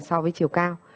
so với chiều cao